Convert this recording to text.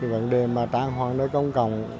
vấn đề trang hoạt nơi công cộng